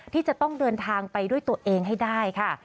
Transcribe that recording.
ที่จะต้องเดินทางไปด้วยตัวเองให้ได้ค่ะ